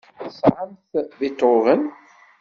Tesɛamt Beethoven?